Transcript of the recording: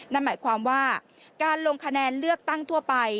นั่นหมายความว่าการลงคะแนนเลือกตั้งทั่วไป